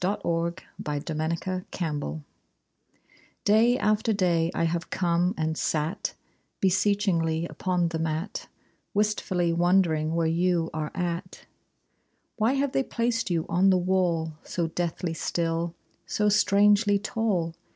THE DEAD BOY'S PORTRAIT AND HIS DOG Day after day I have come and sat Beseechingly upon the mat, Wistfully wondering where you are at. Why have they placed you on the wall, So deathly still, so strangely tall?